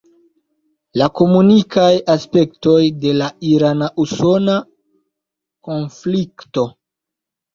La komunikaj aspektoj de la irana-usona konflikto.